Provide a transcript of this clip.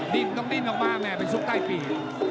ต้องดินออกมาแม่งไปซุกใต้ปี